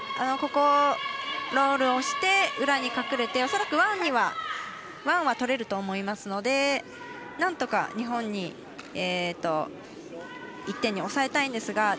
ロールをして裏に隠れて、恐らくワンはとれると思いますのでなんとか、日本に１点に抑えたいんですが。